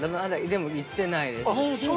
でも行ってないです。